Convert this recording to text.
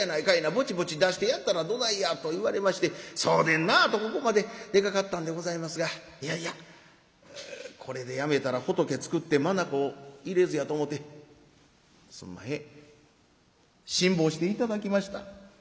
ぼちぼち出してやったらどないや』と言われまして『そうでんな』とここまで出かかったんでございますがいやいやこれでやめたら『仏作って眼入れず』やと思てすんまへん辛抱して頂きました」。